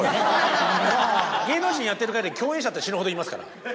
芸能人やってる限り共演者って死ぬほどいますから。